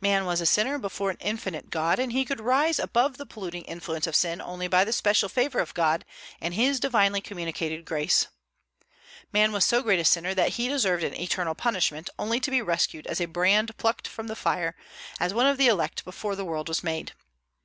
Man was a sinner before an infinite God, and he could rise above the polluting influence of sin only by the special favor of God and his divinely communicated grace. Man was so great a sinner that he deserved an eternal punishment, only to be rescued as a brand plucked from the fire, as one of the elect before the world was made.